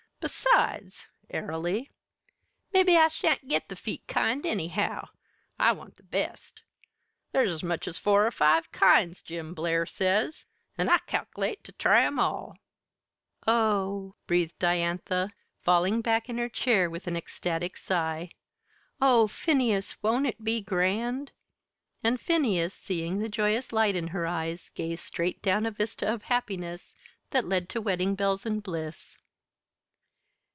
"Besides" airily "mebbe I shan't git the feet kind, anyhow; I want the best. There's as much as four or five kinds, Jim Blair says, an' I cal'late ter try 'em all." "Oh h!" breathed Diantha, falling back in her chair with an ecstatic sigh. "Oh, Phineas, won't it be grand!" And Phineas, seeing the joyous light in her eyes, gazed straight down a vista of happiness that led to wedding bells and bliss.